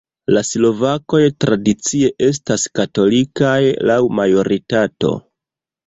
La slovakoj tradicie estas katolikaj laŭ majoritato.